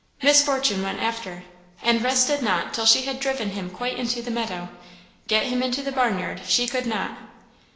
Miss Fortune went after, and rested not till she had driven him quite into the meadow; get him into the barnyard she could not.